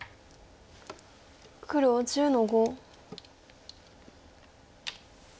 黒１０の五。